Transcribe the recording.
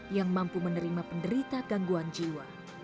yang mampu menerima penderita gangguan jiwa